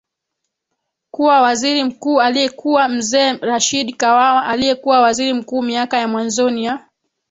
kuwa waziri mkuu alikuwa Mzee Rashid Kawawa aliyekuwa Waziri Mkuu miaka ya mwanzoni ya